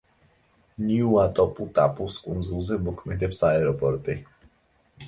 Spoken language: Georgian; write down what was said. ნიუატოპუტაპუს კუნძულზე მოქმედებს აეროპორტი.